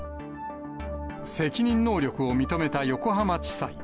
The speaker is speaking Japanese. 責任能力を認めた横浜地裁。